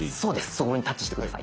そこにタッチして下さい。